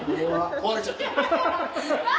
壊れちゃった。